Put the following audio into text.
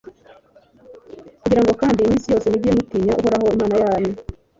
kugira ngo kandi iminsi yose mujye mutinya uhoraho, imana yanyu